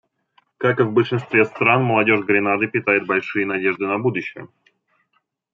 Как и в большинстве стран, молодежь Гренады питает большие надежды на будущее.